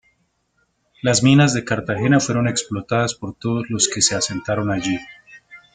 Las minas de Cartagena fueron explotadas por todos los que se asentaron allí.